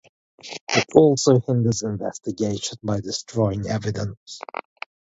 It also hinders investigation by destroying evidence.